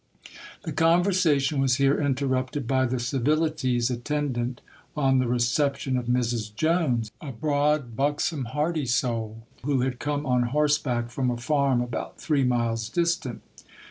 The conversation was here interrupted by the civilities attendant on the reception of Mrs. Jones,—a broad, buxom, hearty soul, who had come on horseback from a farm about three miles distant.